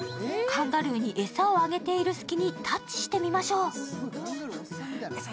カンガルーにエサをあげている隙にタッチしてみましょう。